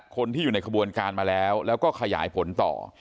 คนที่อยู่ในขบวนการมาแล้วแล้วก็ขยายผลต่อ